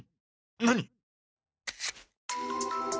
何？